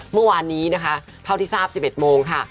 เมื่อวานนี้นะคะเท่าที่ทราบ๑๑โมงค่ะ